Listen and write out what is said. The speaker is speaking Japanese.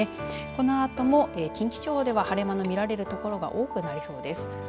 このあとも、近畿地方では晴れ間の見られる所が多くなりそうです。